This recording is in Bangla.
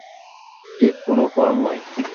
ঠিক কোনো ফল নয়।